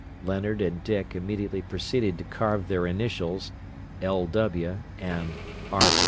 Leonard and Dick immediately proceeded to carve their initials, "L. W." and "R.